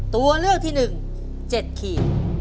ตัวเลือกที่หนึ่ง๗ขีด